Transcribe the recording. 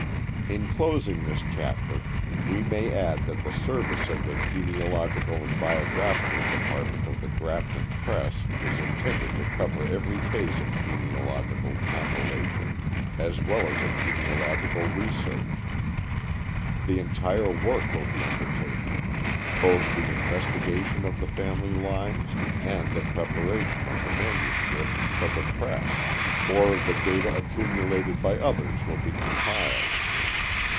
In closing this chapter we may add that the service of the Genealogical and Biographical Department of The Grafton Press is intended to cover every phase of genealogical compilation as well as of genealogical research. The entire work will be undertaken both the investigation of the family lines and the preparation of the manuscript for the press, or the data accumulated by others will be compiled.